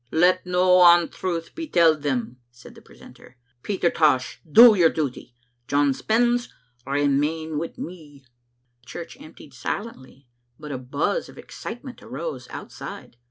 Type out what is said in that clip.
"" Let no ontruth be telled them," said the precentor. "Peter Tosh, do your duty. John Spens, remain wi' me." The church emptied silently, but a buzz of excite ment arose outside.